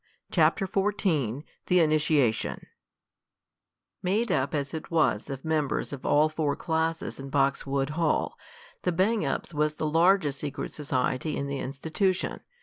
CHAPTER XIV THE INITIATION Made up, as it was, of members of all four classes in Boxwood Hall, the Bang Ups was the largest secret society in the institution.